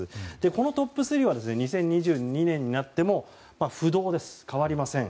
このトップ３は２０２２年になっても不動です。